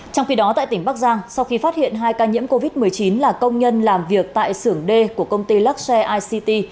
trong khi đó tại tỉnh bắc giang sau khi phát hiện hai ca nhiễm covid một mươi chín là công nhân làm việc tại sưởng d của công ty luxe ict